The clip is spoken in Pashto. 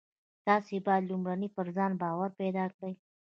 تاسې بايد لومړی پر ځان باور پيدا کړئ.